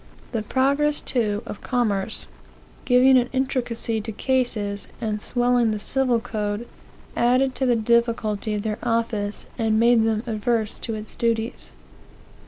The progress, too, of commerce, giving an intricacy to cases, and swelling the civil code, added to the difficulty of their office, and made them averse to its duties.